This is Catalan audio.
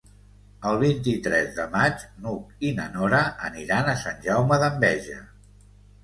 El vint-i-tres de maig n'Hug i na Nora aniran a Sant Jaume d'Enveja.